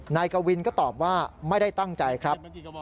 นายกวินก็ตอบว่าไม่ได้ตั้งใจครับ